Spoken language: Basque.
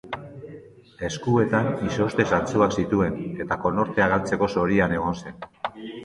Eskuetan izozte zantzuak zituen eta konortea galtzeko zorian egon zen.